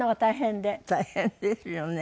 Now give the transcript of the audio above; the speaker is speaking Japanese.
大変ですよね。